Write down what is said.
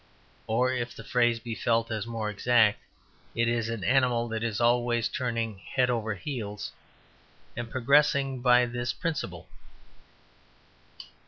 Or if the phrase be felt as more exact, it is an animal that is always turning head over heels and progressing by this principle.